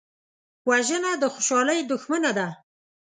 وژنه د خوشحالۍ دښمنه ده